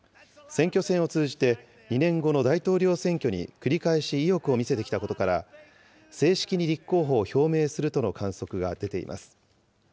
選挙戦を通じて、２年後の大統領選挙に繰り返し意欲を見せてきたことから、正式に立候補を表明するとの観測が出ています。